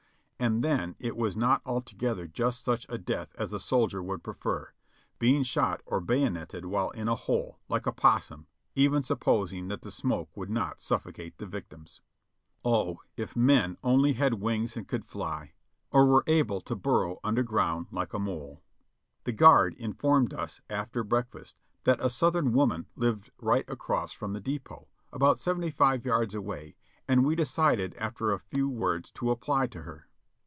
And then it was not altogether just such a death as a soldier would prefer — being shot or bayoneted while in a hole, like a possum, even supposing that the smoke would not suffocate the victims. O, if men only had wings and could fly ! or were able to burrow under ground Hke a mole ! The guard informed us after breakfast that a Southern woman lived right across from the depot, about seventy five yards away, and we decided after a few words to apply to her.